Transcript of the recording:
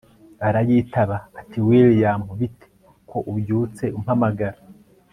arayitaba ati william bite ko ubyutse umpamagara!